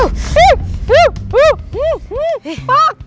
wuh wuh wuh wuh pak